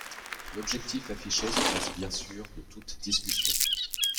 L’objectif affiché se passe bien sûr de toute discussion.